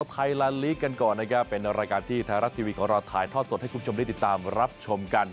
ไทยลานลีกกันก่อนนะครับเป็นรายการที่ไทยรัฐทีวีของเราถ่ายทอดสดให้คุณผู้ชมได้ติดตามรับชมกัน